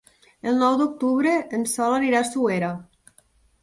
El nou d'octubre en Sol anirà a Suera.